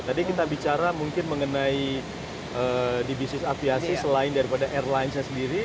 tadi kita bicara mungkin mengenai di bisnis aviasi selain daripada airlines nya sendiri